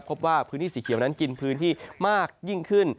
พบว่าพื้นที่สีเขียวนั้นกินพื้นที่มากยิ่งขึ้น